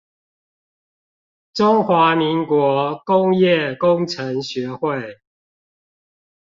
中華民國工業工程學會